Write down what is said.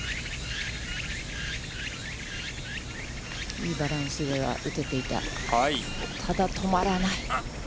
いいバランスでは打てていた、ただ止まらない。